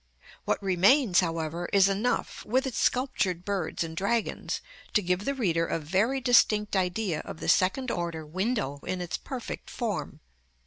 What remains, however, is enough, with its sculptured birds and dragons, to give the reader a very distinct idea of the second order window in its perfect form.